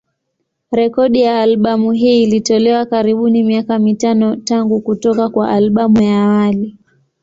Rekodi ya albamu hii ilitolewa karibuni miaka mitano tangu kutoka kwa albamu ya awali.